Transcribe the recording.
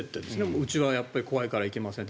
うちは怖いから行きませんと。